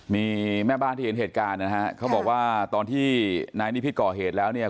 มีแม่บ้านที่เห็นเหตุการณ์นะฮะเขาบอกว่าตอนที่นายนิพิษก่อเหตุแล้วเนี่ย